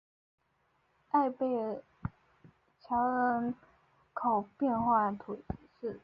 埃贝尔桥人口变化图示